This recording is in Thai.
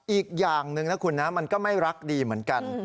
อีกอย่างหนึ่งนะคุณนะมันก็ไม่รักดีเหมือนกัน